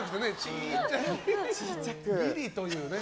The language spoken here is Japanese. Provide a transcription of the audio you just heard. ギリというのね。